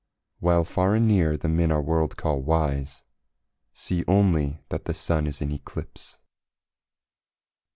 While far and near the men our world call wise See only that the Sun is in eclipse.